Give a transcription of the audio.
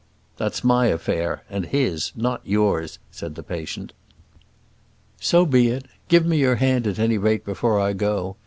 "That's my affair, and his; not yours," said the patient. "So be it; give me your hand, at any rate, before I go.